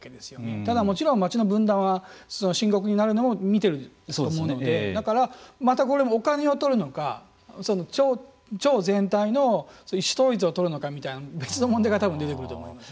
ただ、もちろん町の分断は深刻になるのも見てると思うのでだから、またこれもお金を取るのか町全体の意思統一を取るのかという別の問題がたぶん出てくると思いますね。